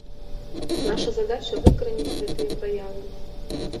Наша задача выкараніць гэтыя праявы.